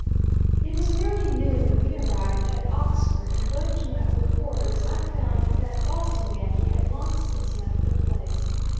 It was nearly noon when we arrived at Oxford, and going to my old quarters, I found that "Boston Yankee," had long since left the place.